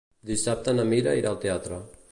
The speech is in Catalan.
Dissabte na Mira irà al teatre.